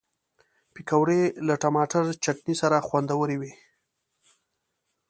پکورې له ټماټر چټني سره خوندورې وي